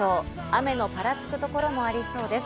雨のぱらつくところもありそうです。